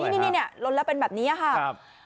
นี่เนี่ยลดแล้วเป็นแบบนี้ฮะครับ